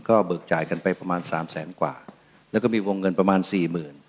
ก็เบิกจ่ายกันไปประมาณสามแสนกว่าแล้วก็มีวงเงินประมาณสี่หมื่น